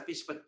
pada awal ya